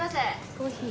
コーヒー。